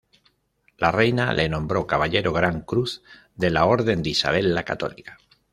La Reina le nombró caballero gran cruz de la Orden de Isabel la Católica.